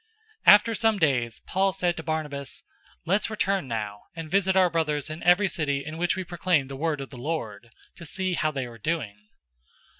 015:036 After some days Paul said to Barnabas, "Let's return now and visit our brothers in every city in which we proclaimed the word of the Lord, to see how they are doing."